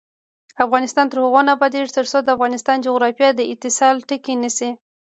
افغانستان تر هغو نه ابادیږي، ترڅو د افغانستان جغرافیه د اتصال ټکی نشي.